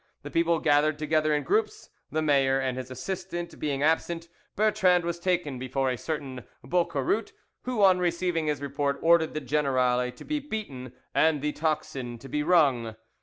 The people gathered together in groups; the mayor and his assistant being absent, Bertrand was taken before a certain Boucarut, who on receiving his report ordered the generale to be beaten and the tocsin to be rung.